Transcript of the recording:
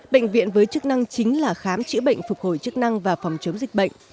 bệnh viện với chức năng chính là khám chữa bệnh phục hồi chức năng và phòng chống dịch bệnh